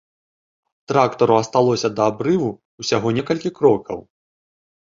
Трактару асталося да абрыву ўсяго некалькі крокаў.